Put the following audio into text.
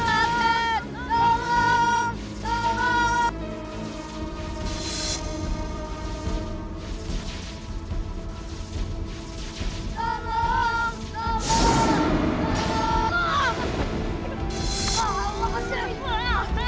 awas ya kalau sampai kalian nakal lagi